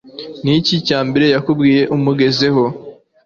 Niki Cyambere yakubwiye umugezeho